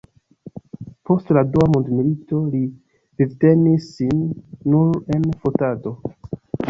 Post la dua mondmilito li vivtenis sin nur el fotado.